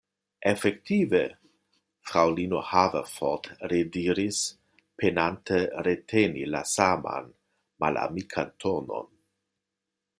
Efektive? fraŭlino Haverford rediris, penante reteni la saman malamikan tonon.